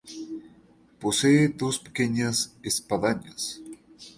Posee dos pequeñas espadañas.